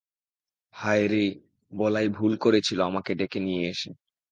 হায় রে, বলাই ভুল করেছিল আমাকে ডেকে নিয়ে এসে।